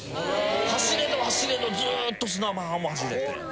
走れる走れるずっと砂浜走れて。